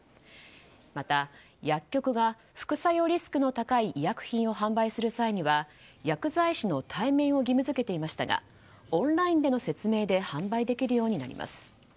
また薬局が副作用リスクの高い医薬品を販売する際には薬剤師の対面を義務付けていましたがオンラインでの説明で販売できるようになります。